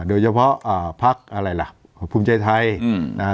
โดยเฉพาะอ่าภักดิ์อะไรล่ะภูมิใจไทยอืมอ่า